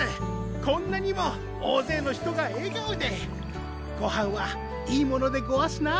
こんなにも大勢の人が笑顔でごはんはいいものでごわすなぁ